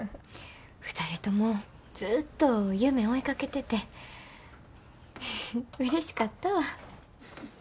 ２人ともずっと夢追いかけててうれしかったわ。